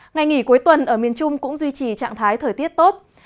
ngày nghỉ cuối tuần ở miền trung cũng duy trì trạng thái thời tiết tốt